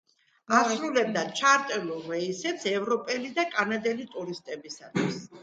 ასრულებდა ჩარტერულ რეისებს ევროპელი და კანადელი ტურისტებისთვის.